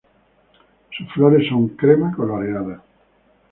Sus flores son crema coloreadas.